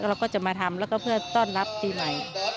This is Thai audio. เราก็จะมาทำแล้วก็เพื่อต้อนรับปีใหม่